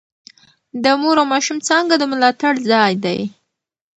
د مور او ماشوم څانګه د ملاتړ ځای دی.